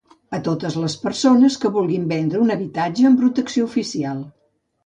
A totes les persones que vulguin vendre un habitatge amb protecció oficial.